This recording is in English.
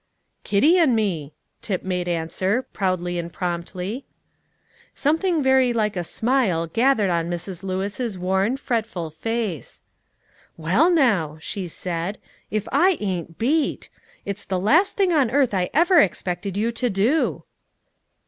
"Kitty and me," Tip made answer, proudly and promptly. Something very like a smile gathered on Mrs. Lewis's worn, fretful face. "Well, now," she said, "if I ain't beat! It's the last thing on earth I ever expected you to do."